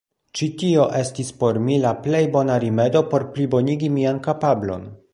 Ĉi tio estis por mi la plej bona rimedo por plibonigi mian kapablon.